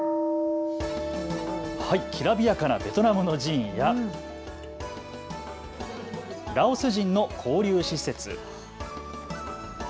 きらびやかなベトナムの寺院やラオス人の交流施設。